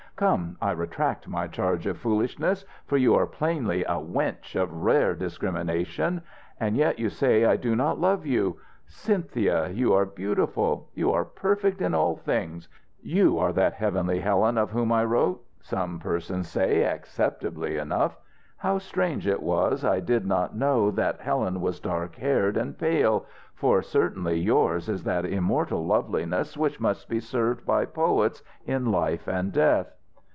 "Come, I retract my charge of foolishness, for you are plainly a wench of rare discrimination. And yet you say I do not love you! Cynthia, you are beautiful, you are perfect in all things. You are that heavenly Helen of whom I wrote, some persons say, acceptably enough How strange it was I did not know that Helen was dark haired and pale! for certainly yours is that immortal loveliness which must be served by poets in life and death."